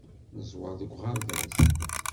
Neẓwer deg uɣerbaz.